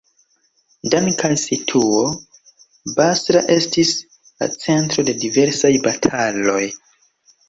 Dank al situo, Basra estis la centro de diversaj bataloj.